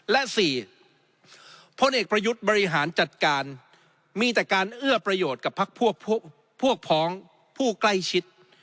และ๔พลเอกประยุทธ์บริหารจัดการมีแต่การเอื้อประโยชน์กับพักพวกพ้องผู้ใกล้ชิด